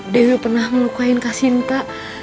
dewi pernah melukain kak sinta